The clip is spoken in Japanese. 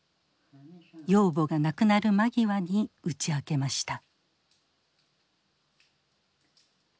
養母が亡くなる間際に打ち明けました。